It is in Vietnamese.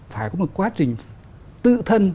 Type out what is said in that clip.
phải có một quá trình tự thân